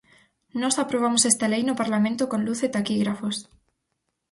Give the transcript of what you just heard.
Nós aprobamos esta lei no Parlamento con luz e taquígrafos.